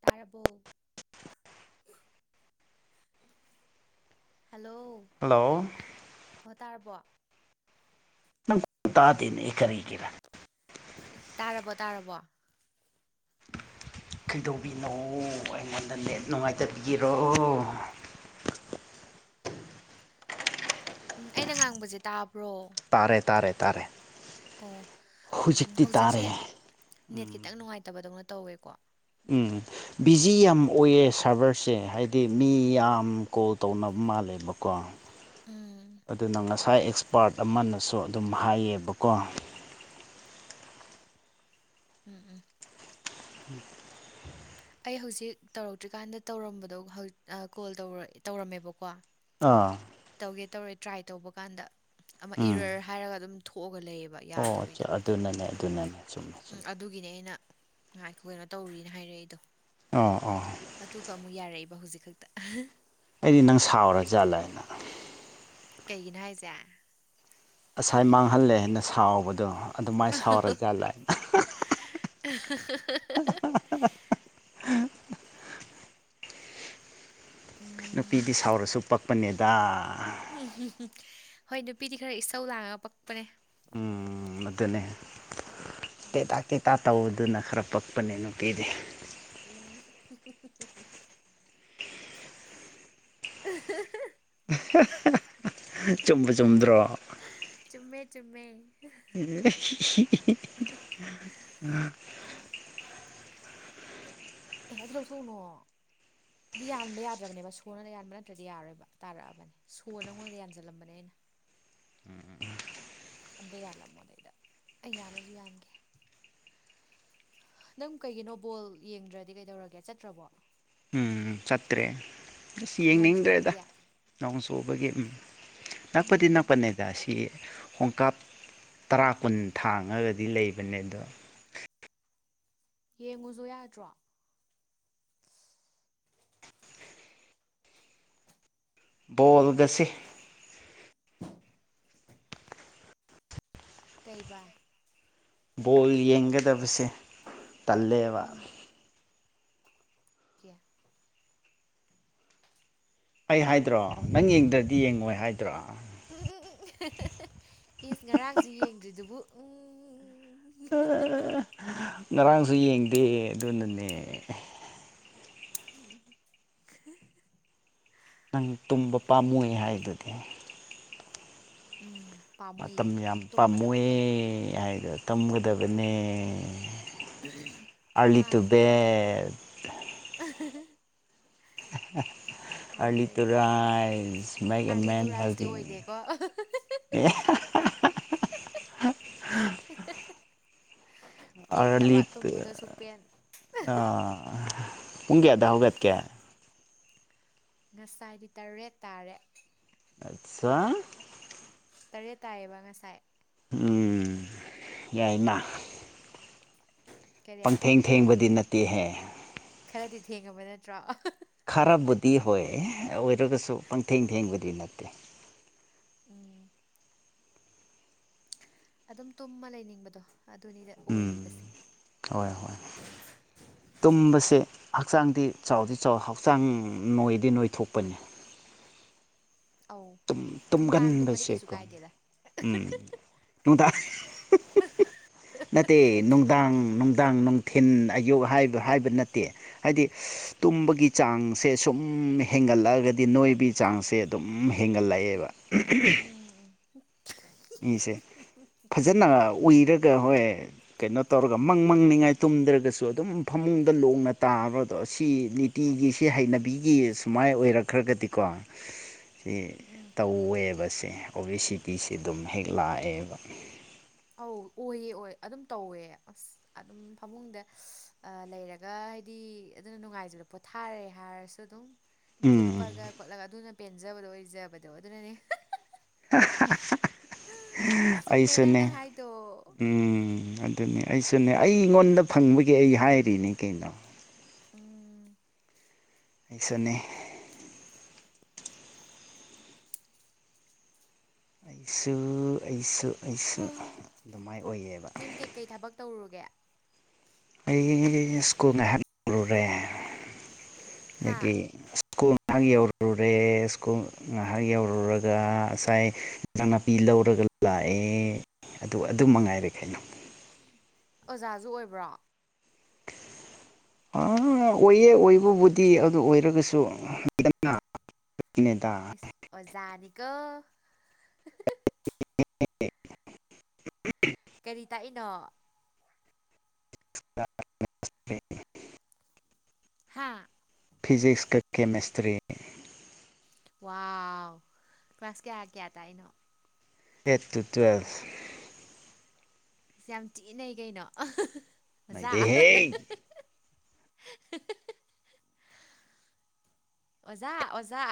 ꯇꯥꯔꯕꯣ hello. Hello ꯑꯣ ꯇꯥꯔꯕꯣ꯫ ꯅꯪ ꯇꯥꯗ‌ꯦꯅ‌ꯦ ꯀꯔꯤꯒꯤꯅꫭ꯫ ꯇꯥꯔꯕꯣ ꯇꯥꯔꯕꯣ꯫ ꯀꯩꯗꯧꯕꯤꯅꯣ ꯑꯩꯉꯣꯟꯗ ꯅꯦꯠ ꯅꯨꯡꯉꯥꯏꯇꯕꯤꯒꯤꯔꯣ ꯎꯝ ꯑꯩꯅ ꯉꯥꯡꯕꯁꯦ ꯇꯥꯕ꯭ꯔꯣ ꯇꯥꯔꯦ ꯇꯥꯔꯦ ꯇꯥꯔꯦ ꯑꯣ ꯎꯝ ꯍꯧꯖꯤꯛꯇꯤ ꯍꯧꯖꯤꯛꯁꯦ ꯇꯥꯔꯦ ꯅꯦꯠ ꯈꯤꯇꯪ ꯅꯨꯡꯉꯥꯏꯇꯕꯗꯧꯅ ꯇꯧꯋꯦꯀꯣ ꯎꯝ꯫ ꯕꯤꯖꯤ ꯌꯥꯝ ꯑꯣꯏꯌꯦ ꯁꯥꯔꯚꯔꯁꯦ ꯍꯥꯏꯗꯤ ꯃꯤ ꯌꯥꯝ ꯀꯣꯜ ꯇꯧꯅꯕ ꯃꯥꯜꯂꯦꯕꯀꯣ꯫ ꯎꯝ ꯑꯗꯨꯅ ꯉꯁꯥꯏ ꯑꯦꯛꯁꯄꯥꯔꯠ ꯑꯃꯅꯁꯨ ꯑꯗꯨꯝ ꯍꯥꯏꯌꯦꯕꯀꯣ ꯎꯝ ꯎꯝ ꯎꯝ ꯑꯩꯍꯧꯖꯤꯛ ꯇꯧꯔꯛꯇꯔꯤꯀꯥꯟꯗ ꯇꯧꯔꯝꯕꯗꯣ ꯍꯧ ꯀꯣꯜꯇꯧꯔꯛ ꯇꯧꯔꯝꯃꯦꯕꯀꯣ ꯑꯥ ꯇꯧꯒꯦ ꯇꯧꯔꯦ ꯇ꯭ꯔꯥꯏ ꯇꯧꯕ ꯀꯥꯟꯗ ꯑꯃ ꯎꯝ ꯏꯔ ꯍꯥꯏꯔꯒ ꯑꯗꯨꯝ ꯊꯣꯛꯑꯒ ꯂꯩꯌꯦꯕ ꯑꯣ ꯑꯆꯥ ꯌꯥꯗꯕꯤꯗ ꯑꯗꯨꯅꯅꯦ ꯑꯗꯨꯅꯅꯦ ꯆꯨꯝꯃꯦ ꯆꯨꯝꯃꯦ ꯑꯗꯨꯏꯅꯦ ꯑꯩꯅ ꯉꯥꯏꯈꯣ ꯀꯩꯅꯣ ꯇꯧꯔꯤꯅ ꯍꯥꯏꯔꯛꯏꯗꯣ ꯑꯥ ꯑꯣ ꯑꯗꯨꯒ ꯑꯃꯨꯛ ꯌꯥꯔꯛꯏꯕ ꯍꯧꯖꯤꯛ ꯈꯛꯇ ꯑꯩ ꯅꯪ ꯁꯥꯎꯔ ꯖꯥꯠꯂ ꯍꯥꯏꯅ ꯀꯩꯒꯤꯅꯣ ꯍꯥꯏꯁꯦ ꯑꯁꯥꯏ ꯃꯥꯡꯍꯜꯂꯦ ꯍꯥꯏꯅ ꯁꯥꯎꯕꯗꯣ ꯑꯗꯨꯃꯥꯏꯅ ꯁꯥꯎꯔꯥ ꯖꯥꯠꯂ [unintelligible] ꯎꯝ ꯅꯨꯄꯤꯗꯤ ꯁꯥꯎꯔꯁꯨ ꯄꯛꯄꯅꯦꯗ ꯍꯣꯏ ꯅꯨꯄꯤꯗꯤ ꯈꯔ ꯏꯁꯧ ꯂꯥꯡꯉꯒ ꯄꯛꯄꯅꯦ ꯎꯝ ꯑꯗꯨꯅꯦ ꯇꯦꯇꯥꯛ ꯇꯦꯇꯥꯛ ꯇꯧꯗꯨꯅ ꯈꯔ ꯄꯛꯄꯅꯦ ꯅꯨꯄꯤꯗꯤ ꯎꯝ ꯆꯨꯝꯕꯨ ꯆꯨꯝꯗ꯭ꯔꯣ ꯆꯨꯝꯃꯦ ꯆꯨꯝꯃꯦ [unintelligible] ꯑꯦ ꯑꯗꯨ ꯂꯧꯊꯣꯛꯎꯅꯣ ꯑꯗꯨ ꯌꯥꯟꯕ ꯌꯥꯗꯔꯥꯕꯅꯦꯕ ꯁꯨꯔꯅꯌꯥꯟꯕ ꯅꯠꯇ꯭ꯔꯗꯤ ꯌꯥꯔꯣꯏꯕ ꯇꯥꯔꯛꯑꯕꯅꯦ ꯁꯨ ꯅꯪꯉꯣꯟꯗ ꯌꯥꯟꯖꯜꯂꯝꯕꯅꯦ ꯑꯩꯅ ꯎꯝ ꯑꯗꯩ ꯌꯥꯜꯂꯝꯃꯣ ꯑꯗꯩꯗ ꯑꯩ ꯌꯥꯜꯂꯁꯨ ꯌꯥꯟꯒꯦ ꯅꯪ ꯀꯩꯒꯤꯅꯣ ꯕꯣꯜ ꯌꯦꯡꯗ꯭ꯔꯗꯤ ꯀꯩꯗꯧꯔꯒꯦ ꯆꯠꯇ꯭ꯔꯕꯣ ꯎꯝ ꯆꯠꯇ꯭ꯔꯦ ꯑꯁ ꯅꯣꯡ ꯌꯦꯡꯅꯤꯡꯗ꯭ꯔꯦꯗ ꯆꯨꯕꯒꯤ ꯅꯣꯡ ꯆꯨꯕꯒꯤ ꯎꯝ ꯅꯛꯄꯗꯤ ꯎꯝ ꯅꯛꯄꯅꯦ ꯗꯁꯤ ꯍꯣꯡꯀꯥꯞ ꯇꯔꯥ ꯀꯨꯟ ꯊꯥꯡꯉꯒꯗꯤ ꯂꯩꯕꯅꯦ ꯑꯗꯣ ꯌꯦꯡꯉꯨꯖꫭ ꯌꯥꯗ꯭ꯔꯣ ꯕꫭꯜꯗꯁꯤ ꯀꯩꯕ ꯕꯣꯜ ꯌꯦꯡꯒꯗꯕꯁꯦ ꯇꯜꯂꯦꯕ ꯎꯝ [unintelligible] ꯑꯩ ꯍꯥꯏꯗ꯭ꯔꯣ ꯅꯪ ꯌꯦꯡꯗ꯭ꯔꯗꯤ ꯌꯦꯡꯉꯣꯏ ꯍꯥꯏꯗ꯭ꯔꯣ ꯎ ꯏꯁ ꯉꯔꯥꯡꯁꯨ ꯌꯦꯡꯗ꯭ꯔꯤꯗꯨꯕꯨ ꯎꯝ ꯉꯔꯥꯡꯁꯨ ꯌꯦꯡꯗꯦ ꯑꯗꯨꯅꯅꯦ ꯎꯝ ꯅꯪ ꯇꯨꯝꯕ ꯄꯥꯝꯃꯨꯌ‌ꯦ ꯍꯥꯏꯗꯨꯗꯤ ꯎꯝ ꯄꯥꯝꯃꯨꯏꯌꯦ ꯃꯇꯝ ꯌꯥꯝ ꯇꯨꯝꯕꯅ ꯄꯥꯝꯃꯨꯌꯦ ꯐꯩꯌꯦ ꯍꯥꯏꯗꯣ ꯇꯝꯒꯗꯕꯅꯦ ꯑꯔꯂꯤ ꯃꯥꯅꯦ ꯇꯨꯕ‌ꯦꯠ [unintelligible] [unintelligible] ꯑꯗꯒꯤ early to rise make early to a man ꯔꯥꯏꯁꯇꯤ ꯍꯦꯜꯗꯤ ꯑꯣꯏꯗꯦꯀꯣ ꯑꯦ ꯑꯥꯔ ꯄꯦꯟꯗꯕ ꯂꯤꯇꯨ ꯇꯨꯝꯕꯗꯣ ꯁꯨꯛꯄꯦꯟ ꯑꯥ ꯄꯨꯡꯀꯌꯥꯗ ꯍꯧꯒꯠꯀꯦ ꯉꯁꯥꯏꯗꯤ ꯇꯧꯔꯦ ꯇꯥꯔꯦ ꯑꯠꯆꯥ ꯇꯔꯦꯠ ꯇꯥꯏꯌꯦꯕ ꯉꯁꯥꯏ ꯎꯝ ꯌꯥꯏꯃ ꯀꯔꯤ ꯄꯪꯊꯦꯡ ꯊꯦꯡꯕꯗꯤ ꯅꯠꯇꯦꯍꯦ ꯈꯔꯗꯤ ꯊꯦꯡꯉꯕ ꯅꯠꯇ꯭ꯔꯣ ꯈꯔꯕꯨꯗꯤ ꯍꯣꯏ ꯑꯣꯏꯔꯒꯁꯨ ꯄꯪꯊꯦꯡ ꯊꯦꯡꯕꯨꯗꯤ ꯅꯠꯇꯦ ꯎꯝ ꯑꯗꯨꯝ ꯇꯨꯝꯃ ꯂꯩꯅꯤꯡꯕꯗꯣ ꯑꯗꯨꯅꯤꯗ ꯎꯝ ꯑꯣꯏꯔꯤꯕꯁꯦ ꯍꯣꯏ ꯍꯣꯏ ꯇꯨꯝꯕꯁꯦ ꯍꯛꯆꯥꯡꯗꯤ ꯆꯥꯎꯗꯤ ꯆꯥꯎ ꯍꯛꯆꯥꯡ ꯅꯣꯏꯗꯤ ꯅꯣꯏꯊꯣꯛꯄꯅ‌ꯦ ꯑꯧ ꯅꯨꯡꯗꯥꯡ ꯇꯨꯝꯕꯗꯤ ꯀꯩꯁꯨ ꯇꯨꯝꯒꯥꯟꯕꯩꯁꯀꯣ ꯀꯥꯏꯗꯦꯗ ꯎꯝ ꯅꯨꯡꯗꯥꯥꯡ ꯅꯠꯇꯦ ꯅꯨꯡꯗꯥꯡ ꯅꯨꯡꯗꯥꯡ ꯅꯨꯡꯊꯤꯟ ꯑꯌꯨꯛ ꯍꯥꯏꯕ ꯍꯥꯏꯕ ꯅꯠꯇꯦ ꯍꯥꯏꯗꯤ ꯇꯨꯝꯕꯒꯤ ꯆꯥꯡꯁꯦ ꯁꯨꯝ ꯍꯦꯟꯒꯠꯂꯛꯑꯒꯗꯤ ꯅꯣꯏꯕꯒꯤ ꯆꯥꯡꯁꯦ ꯑꯗꯨꯝ ꯍꯦꯟꯒꯠꯂꯛꯑꯦꯕ ꯎꯝ ꯎꯝ ꯏꯁꯦ ꯐꯖꯅ ꯎꯏꯔꯒ ꯍꯣꯏ ꯀꯩꯅꯣ ꯇꯧꯔꯒ ꯃꯪ ꯃꯪꯅꯤꯡꯉꯥꯏ ꯇꯨꯝꯗ꯭ꯔꯒꯁꯨ ꯑꯗꯨꯝ ꯐꯃꯨꯡꯗ ꯂꯣꯡꯅ ꯇꯥꯔꯗꯣ ꯁꯤꯅꯤ꯫ ꯇꯤꯒꯤꯁꯤ ꯍꯩꯅꯕꯤꯒꯤ ꯁꯨꯃꯥꯏꯅ ꯑꯣꯏꯔꯛꯈ꯭ꯔꯒꯗꯤꯀꯣ꯫ ꯁꯤ ꯎꯝ ꯇꯧꯋꯦꯕꯁꯦ ꯑꯣꯕꯤꯁꯤꯇꯤꯁꯦ ꯑꯗꯨꯝ ꯍꯦꯛ ꯂꯥꯛꯑꯦꯕ꯫ ꯑꯧ ꯑꯣꯏꯌꯦ ꯑꯣꯏ ꯑꯗꯨꯝ ꯇꯧꯋꯦ ꯑꯁ꯫ ꯑꯗꯨꯝ ꯐꯃꯨꯡꯗ ꯂꯩꯔꯒ ꯍꯥꯏꯗꯤ ꯑꯗꯨꯅ ꯅꯨꯡꯉꯥꯏꯖꯕ ꯄꯣꯊꯥꯔꯦ ꯍꯥꯏꯔꯁꯨ꯫ ꯗꯨꯝ ꯎꯝ ꯍꯤꯞꯄꯒ ꯈꯣꯠꯂꯒ ꯑꯗꯨꯅ ꯄꯦꯟꯖꯕꯗꯣ ꯑꯣꯏꯖꯕꯗꯣ ꯑꯗꯨꯅꯅꯦ꯫ ꯆꯨꯝꯃꯦ ꯑꯩꯁꯨꯅꯦ꯫ ꯅꯪꯅ ꯍꯥꯏꯗꯣ ꯎꯝ ꯑꯗꯨꯅꯦ ꯑꯩꯁꯨꯅꯦ ꯑꯩꯉꯣꯟꯗ ꯐꯪꯕꯒꯤ ꯑꯩ ꯍꯥꯏꯔꯤꯅꯦ ꯀꯩꯅꯣ꯫ ꯎꯝ꯫ ꯑꯩꯁꯨꯅ‌ꯦ꯫ ꯑꯩꯁꯨ ꯑꯩꯁꯨ ꯑꯩꯁꯨ ꯑꯗꯨꯃꯥꯏ‌ ꯑꯣꯏꯌꯦꯕ꯫ ꯀꯩ ꯊꯕꯛ ꯇꯧꯔꯨꯒꯦ꯫ ꯑꯩ ꯁ꯭ꯀꯨꯜ ꯉꯏꯍꯥꯛ ꯌꯧꯔꯦ ꯍꯥ ꯑꯗꯒꯤ꯫ ꯀꫭꯝ ꯊꯥꯡ ꯌꯧꯔꯨꯔꯦ ꯁ꯭ꯀꯨꯜ꯫ ꯉꯥꯏꯍꯥꯛ ꯌꯧꯔꯨꯔꯒ ꯑꯁꯥꯏ ꯏꯟꯁꯥꯡ ꯅꯥꯄꯤ ꯂꯧꯔꯒ ꯂꯥꯛꯑꯦ꯫ ꯑꯗꯨ ꯑꯗꯨ ꯃꯉꯥꯏꯔꯦ ꯀꯩꯅꯣ꯫ ꯑꯣꯖꯥꯁꯨ ꯑꯣꯏꯕ꯭ꯔꯣ꯫ [inaudible] ꯑꯣꯏꯌꯦ ꯑꯣꯏꯕꯕꯨꯗꯤ ꯑꯗꯨ ꯑꯣꯏꯔꯒꯁꯨ ꯂꯩꯗꯅ꯫ ꯑꯗꯨꯅꯦꯗ꯫ ꯑꯣꯖꯥꯅꯤꯀꯣ꯫ [inaudible] ꯀꯔꯤ ꯇꯥꯛꯏꯅꯣ꯫ [inaudible] ꯍꯥꯥ꯫ ꯐꯤꯖꯤꯛꯁꯀ ꯀꯦꯃꯦꯁꯇ꯭ꯔꯤ꯫ ꯋꯥꯎ ꯀ꯭ꯂꯥꯁ ꯀꯌꯥ ꯀꯌꯥ ꯇꯥꯛꯏꯅꯣ꯫ ꯍꯦꯠ ꯇꯨ ꯇꯦꯜ꯫ ꯏꯁ ꯌꯥꯝ ꯊꯤꯟ ꯅꯩ ꯀꯩꯅꯣ ꯑꯣꯖꯥ꯫ ꯅꯩꯗꯦꯍꯦ ꯑꯣꯖꯥ ꯑꯣꯖꯥ꯫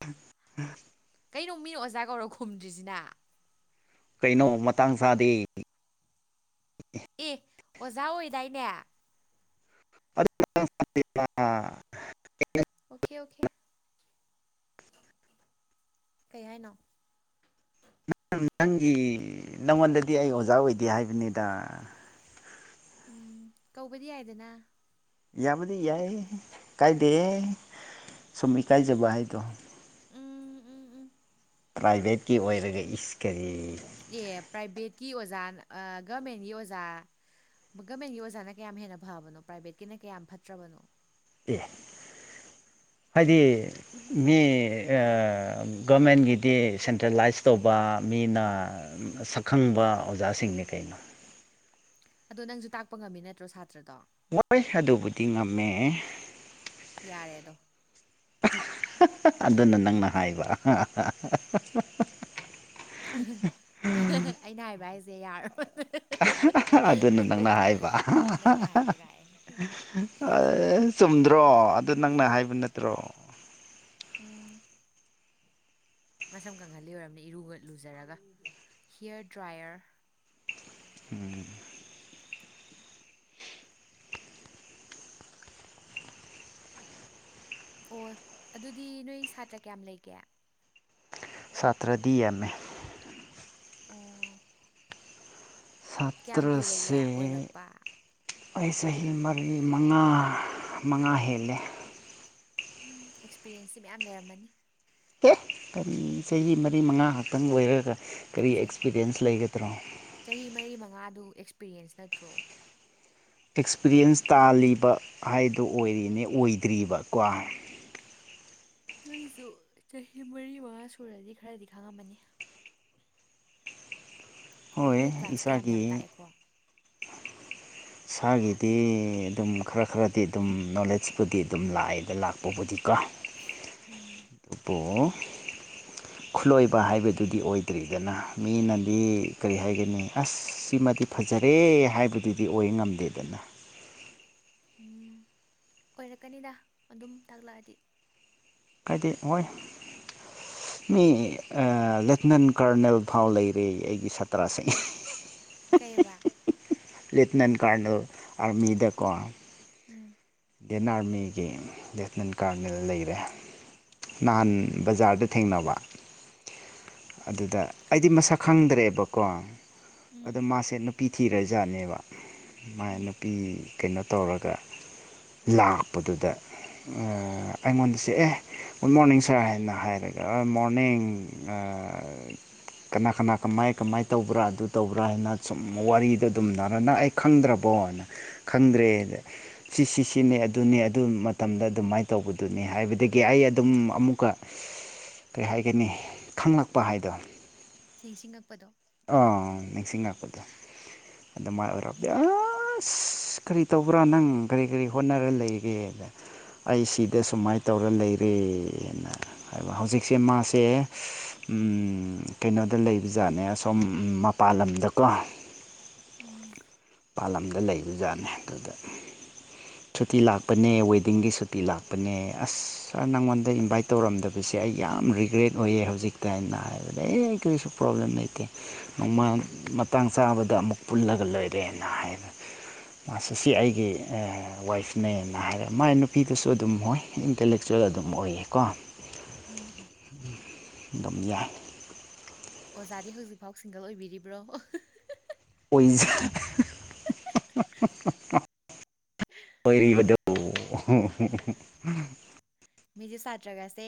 ꯫ ꯀꯩꯅꯣ ꯃꯤꯅ ꯑꯣꯖꯥ ꯀꯧꯔ ꯈꯨꯝꯗ꯭ꯔꯤꯁꯤꯅ꯫ ꯀꯩꯅꯣ ꯃꯇꯥꯡ ꯆꯥꯗꯦ꯫ ꯑꯦ ꯑꯣꯖꯥ ꯑꯣꯏꯗꯥꯏꯅꯦ꯫ [unintelligible] ꯑꯣꯈ‌ꯦ ꯑꯣꯈ‌ꯦ ꯀꯩ ꯍꯥꯏꯅꯣ꯫ ꯅꯪ ꯅꯪꯒꯤ ꯅꯪꯉꯣꯟꯗꯗꯤ ꯑꯩ ꯑꯣꯖꯥ ꯑꯣꯏꯗꯦ ꯍꯥꯏꯕꯅꯤꯗ꯫ ꯎꯝ ꯀꯧꯕꯗꯤ ꯌꯥꯏꯗꯅ꯫ ꯌꯥꯕꯨꯗꯤ ꯌꯥꯏ ꯀꯥꯏꯗꯦ ꯁꯨꯝ ꯏ ꯀꯥꯏꯖꯕ ꯍꯥꯏꯗꯣ꯫ ꯎꯝ ꯎꯝ ꯎꯝ꯫ ꯄ꯭ꯔꯥꯏꯚꯦꯠꯀꯤ ꯑꯣꯏꯔꯒ ꯏꯁ ꯀꯔꯤ꯫ ꯑꯦ ꯄ꯭ꯔꯥꯏꯚꯦꯠꯀꯤ ꯑꯣꯖꯥ ꯒꯃꯦꯟꯒꯤ ꯑꯣꯖꯥ꯫ ꯒꯃꯦꯟꯒꯤ ꯑꯣꯖꯥꯅ ꯀꯌꯥꯝ ꯍꯦꯟꯅ ꯐꯕꯅꯣ ꯄ꯭ꯔꯥꯏꯕꯦꯠꯀꯤꯅ ꯀꯌꯥꯝ ꯐꯠꯇ꯭ꯔꯕꯅꯣ꯫ ꯑꯦ ꯍꯥꯏꯗꯤ꯫ ꯃꯤ ꯑꯥ ꯒꯣꯔꯃꯦꯟꯒꯤꯗꯤ ꯁꯦꯟꯇ꯭ꯔꯦꯂꯥꯏꯁ ꯇꯧꯕ ꯃꯤꯅ꯫ ꯁꯛꯈꯪꯕ ꯑꯣꯖꯥꯁꯤꯡꯅꯤ ꯀꯩꯅꯣ꯫ ꯑꯗꯣ ꯅꯪꯁꯨ ꯇꯥꯛꯄ ꯉꯝꯃꯤ ꯅꯠꯇ꯭ꯔꯣ ꯁꯥꯇ꯭ꯔꯗꯣ꯫ [unintelligible] ꯑꯗꯨꯕꯨꯗꯤ ꯉꯝꯃꯦ꯫ ꯌꯥꯔꯦꯑꯗꯣ꯫ ꯑꯗꯨꯅ ꯅꯪꯅ ꯍꯥꯏꯕ꯫ ꯑꯩꯅ ꯍꯥꯏꯕ ꯍꯥꯏꯁꯦ ꯌꯥꯔꯥꯕꯅꯦ꯫ ꯑꯗꯨꯅ ꯅꯪꯅ ꯍꯥꯏꯕ꯫ ꯑꯗꯨꯅ ꯅꯪꯅ ꯍꯥꯏꯕ ꯀꯥꯏ ꯆꯨꯝꯗ꯭ꯔꯣ ꯑꯗꯨ ꯅꯪꯅ ꯍꯥꯏꯕ ꯅꯠꯇ꯭ꯔꯣ꯫ ꯎꯝ꯫ ꯃꯁꯝ ꯀꯪꯍꯜꯂꯤ ꯑꯣꯏꯔꯝꯅꯤ ꯏꯔꯨꯒ ꯂꯨꯖꯔꯒ ꯍꯤꯌꯔ ꯗ꯭ꯔꯥꯏꯌꯔ꯫ ꯎꯝ꯫ ꯑꯣ ꯑꯗꯨꯗꯤ ꯅꯣꯏ ꯁꯥꯇ꯭ꯔ ꯀꯌꯥꯝ ꯂꯩꯒꯦ ꯁꯥꯇ꯭ꯔꯗꯤ ꯌꯥꯝꯃ‌ꯦ꯫ ꯑꯣ꯫ ꯀꯌꯥꯝ ꯀꯨꯏꯔꯒꯦ ꯁꯠꯇ꯭ꯔꯁꯦ꯫ ꯑꯣꯏꯔꯛꯄ ꯑꯩ ꯆꯍꯤ ꯃꯔꯤ ꯃꯉꯥ ꯃꯉꯥ ꯍꯦꯜꯂꯦ꯫ ꯎꯝ ꯑꯦꯛꯁꯄꯤꯔ‌ꯦꯟꯁꯇꯤ ꯃꯌꯥꯝ ꯂꯩꯔꯝꯃꯅꯤ꯫ ꯍ‌ꯦ ꯀꯔꯤ ꯆꯍꯤ ꯃꯔꯤ ꯃꯉꯥ ꯈꯛꯇꯪ ꯑꯣꯏꯔꯒ ꯀꯔꯤ ꯑꯁꯦ ꯑꯦꯛꯁꯄꯤꯔꯤꯌꯦꯟꯁ ꯂꯩꯒꯗ꯭ꯔꯣ꯫ ꯆꯍꯤ ꯃꯔꯤ ꯃꯉꯥꯗꯨ ꯑꯦꯛꯁꯄꯤꯔꯤꯌꯦꯟꯁ ꯅꯠꯇ꯭ꯔꯣ꯫ ꯑꯦꯛꯁꯄꯤꯔꯤꯌꯦꯟꯁ ꯇꯥꯜꯂꯤꯕ ꯍꯥꯏꯗꯨ ꯑꯣꯏꯔꯤꯅꯦ ꯑꯣꯏꯗ꯭ꯔꯤꯕꯀꯣ꯫ ꯑꯗꯨꯏꯁꯨ ꯆꯍꯤ ꯃꯔꯤ ꯃꯉꯥ ꯁꯨꯔꯗꯤ ꯈꯔꯗꯤ ꯈꯪꯉꯝꯃꯅꯤ꯫ ꯑꯗꯨ ꯍꯣꯏ ꯅꯣꯏ ꯀ꯭ꯂꯥꯁꯇꯤ ꯏꯁꯥꯒꯤ ꯌꯥꯝꯌꯥꯝ ꯇꯥꯛꯑꯦꯀꯣ꯫ ꯁꯥꯒꯤꯗꯤ ꯑꯗꯨꯝ ꯈꯔ ꯈꯔꯗꯤ ꯑꯗꯨꯝ ꯅꯣꯂꯦꯖꯄꯨꯗꯤ ꯑꯗꯨꯝ ꯂꯥꯛꯑꯦꯗ ꯂꯥꯛ꯫ ꯎꯝ [unintelligible] ꯈꯨꯠꯂꯣꯏꯕ ꯍꯥꯏꯕꯗꯨꯗꯤ ꯑꯣꯏꯗ꯭ꯔꯤꯗꯅ ꯃꯤꯅꯗꯤ ꯀꯔꯤ ꯍꯥꯏꯒꯅꯤ ꯑꯁ ꯁꯤꯃꯗꯤ꯫ ꯐꯖꯔꯦ ꯍꯥꯏꯕꯗꯨꯗꯤ ꯑꯣꯏ ꯉꯝꯗꯦꯗꯅ꯫ ꯎꯝ ꯑꯣꯏꯔꯛꯀꯅꯤꯗ ꯑꯗꯨꯝ ꯇꯥꯛꯂꯛꯑꯗꯤ꯫ ꯀꯥꯏꯗꯦ ꯍꯣꯏ꯫ ꯃꯤ ꯂꯦꯞꯇꯤꯅꯦꯟ ꯀꯔꯅꯦꯜ ꯐꯥꯎ ꯂꯩꯔꯦ ꯑꯩꯒꯤ ꯁꯥꯇ꯭ꯔꯁꯦ꯫ ꯀꯩꯕ꯫ Lieutenant colonel ꯑꯥꯔꯃꯤꯗꯀꫭ꯫ ꯎꯝ꯫ [unintelligible] ꯒꯤ ꯂꯦꯞꯇꯤꯅꯦꯟ ꯀꯥꯔꯅꯦꯜ ꯂꯩꯔꯦ ꯅꯍꯥꯟ꯫ ꯕꯖꯥꯔꯗ ꯊꯦꯡꯅꯕ꯫ ꯑꯗꯨꯗ ꯑꯩꯗꯤ ꯀꯔꯤ ꯃꯁꯛ ꯈꯪꯗ꯭ꯔꯦꯕꯀꯣ ꯑꯗꯣ ꯎꯝ ꯃꯥꯁꯦ ꯅꯨꯄꯤ꯫ ꯊꯤꯔꯖꯥꯠꯅꯦꯕ ꯃꯥꯏ ꯎꯝ ꯅꯨꯄꯤ ꯀꯩꯅꯣ ꯇꯧꯔꯒ꯫ ꯂꯥꯛꯄꯗꯨꯗ ꯑꯩꯉꯣꯟꯗꯁꯨ ꯑꯦ꯫ ꯒꯨꯠ ꯃꯣꯔꯅꯤꯡ ꯁꯥꯔ ꯍꯥꯏꯅ ꯍꯥꯏꯔꯒ ꯑꯥ ꯃꯣꯔꯅꯤꯡ ꯑꯥ꯫ ꯀꯅꯥ ꯀꯅꯥ ꯀꯃꯥꯏ ꯀꯃꯥꯏ ꯇꯧꯕ꯭ꯔꯥ ꯑꯗꯨ ꯇꯧꯕ꯭ꯔꯥ ꯍꯥꯏꯅ ꯁꯨꯝ ꯋꯥꯔꯤꯗ ꯑꯗꯨꯝ ꯅꯔꯅ ꯑꯩ꯫ ꯈꯪꯗ꯭ꯔꯕꯣꯅ ꯈꯪꯗ꯭ꯔꯦꯗꯤ ꯁꯤ ꯁꯤ꯫ ꯑꯗꯨꯅꯦ ꯑꯗꯨꯅꯦ ꯑꯗꯨ ꯃꯇꯝꯗ ꯑꯗꯨꯃꯥꯏꯅ ꯇꯧꯕꯗꯨꯅꯤ ꯍꯥꯏꯕꯗꯒꯤ ꯑꯩ ꯑꯗꯨꯝ ꯑꯃꯨꯛꯀ꯫ ꯀꯔꯤ ꯍꯥꯏꯒꯅꯤ ꯈꯪꯂꯛꯄ ꯍꯥꯏꯗꯣ꯫ ꯅꯤꯡꯁꯤꯡꯉꯛꯄꯗꯣ꯫ ꯑꯥ ꯅꯤꯡꯁꯤꯡꯉꯛꯄꯗꯣ ꯑꯗꯨ ꯃꯥꯏ ꯑꯣꯏꯔꯛꯕꯗꯤ ꯎꯝ ꯑꯁ꯫ ꯀꯔꯤ ꯇꯧꯕ꯭ꯔꯥ ꯅꯪ ꯀꯔꯤ ꯀꯔꯤ ꯍꯣꯠꯅꯔ ꯂꯩꯔꯦ꯫ ꯑꯩ ꯁꯤꯗ ꯁꯨꯃꯥꯏꯅ ꯇꯧꯔ ꯂꯩꯔꯦꯅ꯫ ꯍꯧꯖꯤꯛꯁꯦ ꯃꯥꯁꯦ ꯎꯝ ꯀꯩꯅꯣꯗ ꯂꯩꯕ ꯖꯥꯠꯅꯦ꯫ ꯁꯨꯝ ꯃꯄꯥꯟ ꯂꯝꯗꯀꯣ꯫ ꯎꯝ ꯄꯥꯟꯂꯝꯗ ꯂꯩꯕ ꯖꯥꯠꯅꯦ ꯑꯗꯨꯗ ꯁꯨꯇꯤ ꯂꯥꯛꯄꯅꯦ ꯋꯦꯗꯤꯡꯒꯤ ꯁꯨ ꯅꯨ ꯄꯄꯤ ꯂꯥꯛꯄꯅꯦ ꯑꯁ ꯈꯔ ꯅꯪꯉꯣꯟꯗ ꯏꯟꯚꯥꯏꯠ ꯇꯧꯔꯝꯗꯕꯁꯦ ꯑꯩ ꯌꯥꯝ ꯔꯤꯒ꯭ꯔꯦꯠ ꯑꯣꯏꯌꯦ ꯍꯧꯖꯤꯛꯇ ꯍꯥꯏꯅ ꯍꯥꯏꯗ ꯑꯦ ꯀꯔꯤꯁꯨ ꯄ꯭ꯔꯣꯕ꯭ꯂꯦꯝ ꯂꯩꯇꯦ ꯅꯣꯡꯃ ꯃꯇꯥꯡ ꯆꯥꯕꯗ ꯑꯃꯨꯛ ꯄꯨꯜꯂꯒ ꯂꯣꯏꯔꯦꯅ ꯍꯥꯏꯔ ꯃꯥꯁꯤꯁꯤ ꯑꯩꯒꯤ ꯋꯥꯏꯐꯅꯦꯅ ꯍꯥꯏꯔꯦ ꯃꯥꯏ ꯅꯨꯄꯤꯗꯨꯁꯨ ꯑꯗꯨꯝ ꯍꯣꯏ ꯏꯟꯇꯂꯦꯛꯆꯨꯋꯦꯜ ꯑꯗꯨꯝ ꯑꯣꯏꯌꯦꯀꯣ ꯎꯝ ꯎꯝ ꯗꯨꯝ ꯌꯥꯏ ꯑꯣꯖꯥꯗꯤ ꯍꯧꯖꯤꯛꯐꯥꯎ ꯁꯤꯡꯒꯜ ꯑꯣꯏꯕꯤꯔꯤꯕ꯭ꯔꯣ ꯑꯣꯏꯖ [inaudible] ꯃꯤꯁꯦ ꯁꯥꯇ꯭ꯔꯒꯁꯦ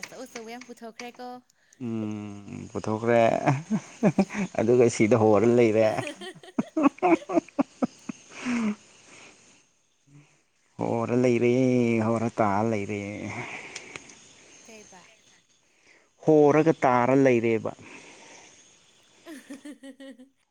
ꯑꯆꯧ ꯑꯆꯧꯕ ꯌꯥꯝ ꯄꯨꯊꯣꯛꯈ꯭ꯔꯦꯀꯣ ꯎꯝ ꯄꯨꯊꯣꯛꯈ꯭ꯔꯦ ꯑꯗꯨꯒ ꯁꯤꯗ ꯍꯣꯔ ꯂꯩꯔꯦ [unintelligible] ꯍꯣꯔ ꯂꯩꯔꯦ ꯍꯣꯔ ꯇꯥꯔ ꯂꯩꯔꯦ ꯀꯩꯕ ꯍꯣꯔꯒ ꯇꯥꯔ ꯂꯩꯔꯦꯕ [inaudible]